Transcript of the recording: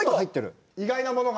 意外なものが？